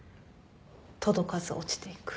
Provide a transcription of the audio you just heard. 届かず落ちていく。